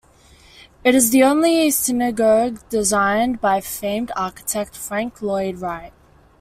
It is the only synagogue designed by famed architect Frank Lloyd Wright.